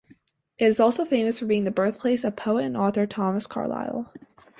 It is also famous for being the birthplace of poet and author Thomas Carlyle.